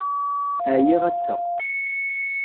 Ɛyiɣ ass-a.